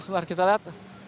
nah kita lihat